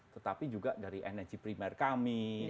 tetapi juga dari energi primer kami